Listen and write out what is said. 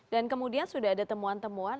dan kemudian sudah ada temuan temuan